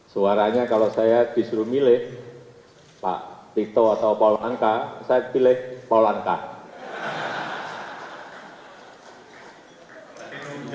suaranya kalau saya disuruh milih pak tito atau pak wankar saya pilih pak wankar